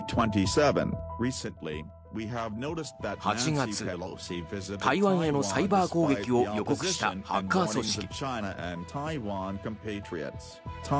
８月、台湾へのサイバー攻撃を予告したハッカー組織。